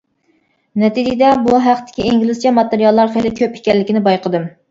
نەتىجىدە بۇ ھەقتىكى ئىنگلىزچە ماتېرىياللار خېلى كۆپ ئىكەنلىكىنى بايقىدىم.